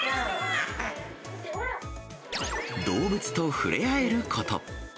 動物と触れ合えること。